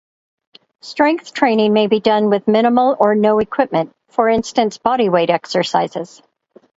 Strength training may be done with minimal or no equipment, for instance bodyweight exercises.